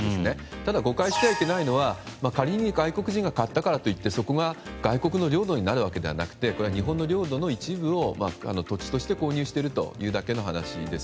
ただ誤解してはいけないのが仮に外国人が買ったからといってそこが外国の領土になるわけではなくて日本の領土の一部を、土地として購入しているだけの話です。